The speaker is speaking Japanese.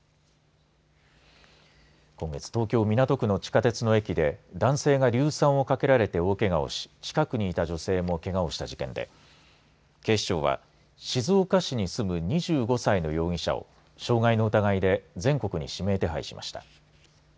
今月、東京、港区の地下鉄の駅で男性が硫酸をかけられて大けがをし近くにいた女性もけがをした事件で警視庁は静岡市に住む２５歳の容疑者を傷害の疑いで全国に指名手配しました。